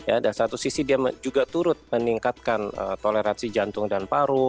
ya dan satu sisi dia juga turut meningkatkan toleransi jantung dan paru